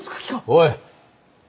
おい！